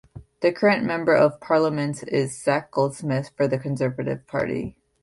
The current Member of Parliament is Zac Goldsmith for the Conservative Party.